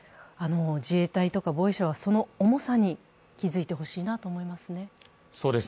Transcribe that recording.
自衛隊や防衛省はその重さに気付いてほしいなと思いますね。